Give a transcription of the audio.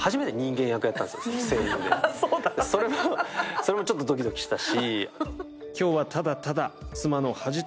それもちょっとドキドキしたし。